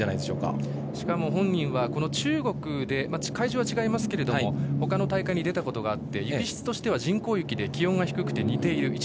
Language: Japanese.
しかも本人は会場は違いますが中国でほかの大会に出たことがあって雪質としては人工雪で気温が低くて似ている。